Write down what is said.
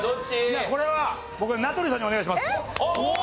いやこれは僕は名取さんにお願いします。